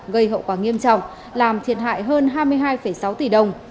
gây hậu quả nghiêm trọng làm thiệt hại hơn hai mươi hai sáu tỷ đồng